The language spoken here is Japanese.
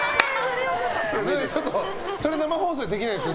それ、生放送でできないです。